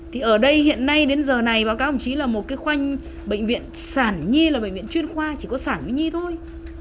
thì ở đây hiện nay đến giờ này báo cáo hồng chí là một cái khoanh bệnh viện sản nhi là bệnh viện chuyên khoa chỉ có sản bệnh nhi thôi